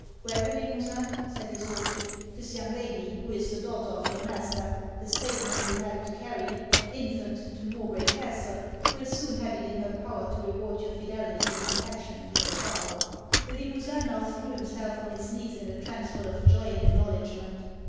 'Well, Le Limosin,' said his Lordship, 'this young lady, who is the daughter of your master; the same whom you helped to carry, an infant, to Mowbray Castle, will soon have it in her power to reward your fidelity and attachment to her father.' Le Limosin now threw himself on his knees in a transport of joy and acknowledgment.